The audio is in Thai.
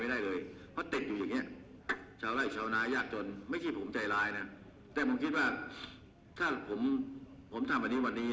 มันก็อยู่อย่างนี้ฟวลเต็กกระดับอยู่แบบนี้